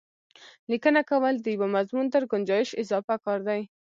لیکنه کول د یوه مضمون تر ګنجایش اضافه کار دی.